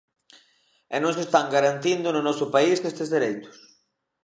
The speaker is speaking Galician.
E non se están garantindo no noso país estes dereitos.